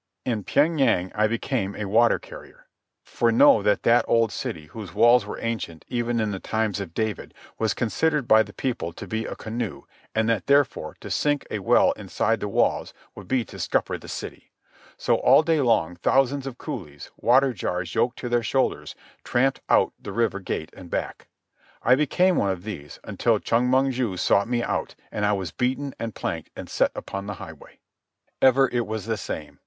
In Pyeng yang I became a water carrier, for know that that old city, whose walls were ancient even in the time of David, was considered by the people to be a canoe, and that, therefore, to sink a well inside the walls would be to scupper the city. So all day long thousands of coolies, water jars yoked to their shoulders, tramp out the river gate and back. I became one of these, until Chong Mong ju sought me out, and I was beaten and planked and set upon the highway. Ever it was the same.